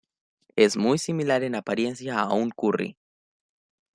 Es muy similar en apariencia a un curry.